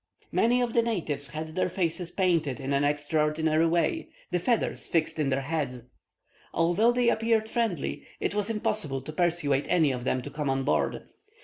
"Many of the natives had their faces painted in an extraordinary way, and feathers fixed in their heads. Although they appeared friendly, it was impossible to persuade any of them to come on board.